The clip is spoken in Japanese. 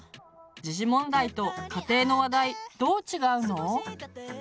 時事問題と家庭の話題どう違うの？